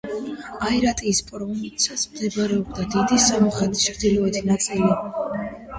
აირარატის პროვინცია მდებარეობდა დიდი სომხეთის ჩრდილოეთ ნაწილში.